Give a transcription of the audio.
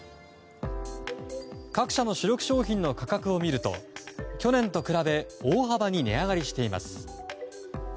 各社の主力商品の価格を見ると去年と比べ大幅に値上がりしています。